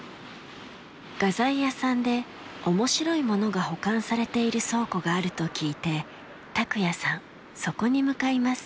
画材屋さんでおもしろいものが保管されている倉庫があると聞いて、卓也さん、そこに向かいます。